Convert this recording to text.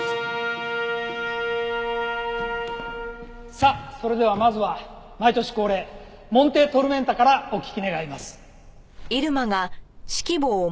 さあそれではまずは毎年恒例『モンテ・トルメンタ』からお聴き願います。